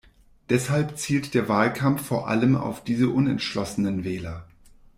Deshalb zielt der Wahlkampf vor allem auf diese unentschlossenen Wähler.